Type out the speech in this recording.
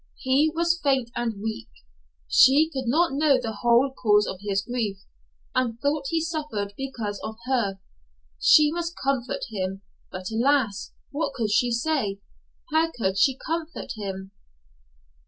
He was faint and weak. She could not know the whole cause of his grief, and thought he suffered because of her. She must comfort him but alas! What could she say? How could she comfort him?